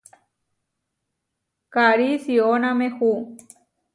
Karí siʼónamehu.